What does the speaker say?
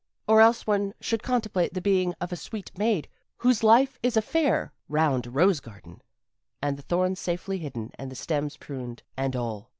"Or else one should contemplate the being of a sweet maid whose life is a fair, round, rose garden, and the thorns safely hidden and the stems pruned, and all.